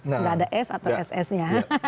tidak ada s atau ss nya